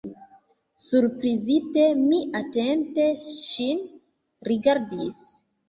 Surprizite, mi atente ŝin rigardis.